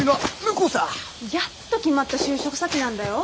やっと決まった就職先なんだよ？